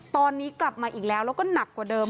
ตอนนี้กลับมาอีกแล้วแล้วก็หนักกว่าเดิม